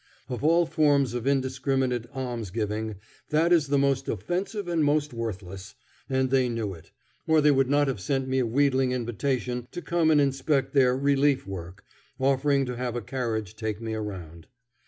Of all forms of indiscriminate almsgiving, that is the most offensive and most worthless, and they knew it, or they would not have sent me a wheedling invitation to come and inspect their "relief work," offering to have a carriage take me around.